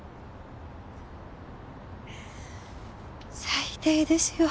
最低ですよ